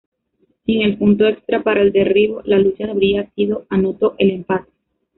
Sin el punto extra para el derribo, la lucha habría sido anotó el empate.